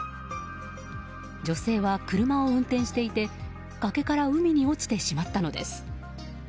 女性は車を運転していて崖から海に落ちてしまったのです。